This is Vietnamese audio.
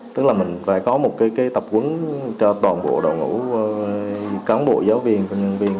tức là mình phải có một tập quấn cho toàn bộ đồng ngũ cán bộ giáo viên nhân viên